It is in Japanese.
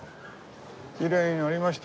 きれいになりました